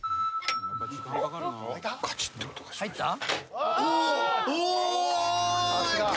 「カチッって音がしました」